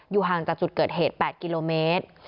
ห่างจากจุดเกิดเหตุ๘กิโลเมตร